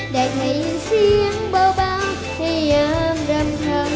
ได้เผยเสียงเบาระยะอ้ำลำ